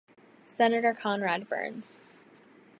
Senator Conrad Burns.